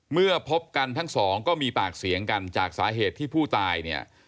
เมื่อพบกันทั้งสองก็มีปากเสียงกันจากสาเหตุที่ผู้ตายเนี่ย